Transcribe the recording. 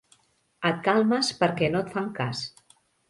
Et calmes perquè no et fan cas.